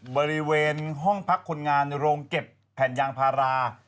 บริเวณห้องพักคนงานโรงเก็บแผ่นยางพารา